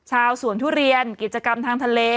ชาวสวนทุเรียนกิจกรรมทางทะเล